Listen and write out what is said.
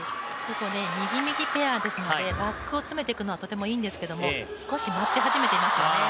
右・右ペアですので、バックを詰めていくのはとてもいいんですけど少し待ち始めていますよね。